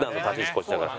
こっちだから。